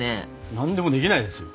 何でもできないですよ。